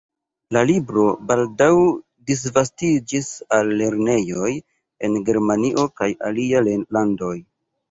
La libro baldaŭ disvastiĝis al lernejoj en Germanio kaj aliaj landoj.